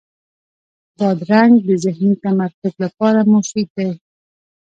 بادرنګ د ذهني تمرکز لپاره مفید دی.